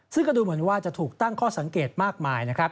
ซึ่งก็ดูเหมือนว่าจะถูกตั้งข้อสังเกตมากมายนะครับ